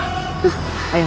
ketika kita gagal